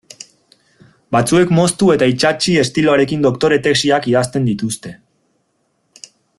Batzuek moztu eta itsatsi estiloarekin doktore tesiak idazten dituzte.